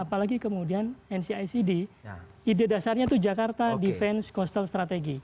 apalagi kemudian ncicd ide dasarnya itu jakarta defense coastal strategy